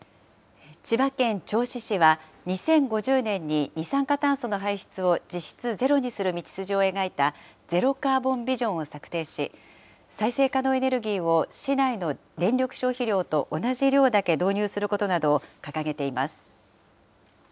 千葉県銚子市は２０５０年に二酸化炭素の排出を実質ゼロにする道筋を描いた、ゼロカーボンビジョンを策定し、再生可能エネルギーを市内の電力消費量と同じ量だけ導入することなどを掲げています。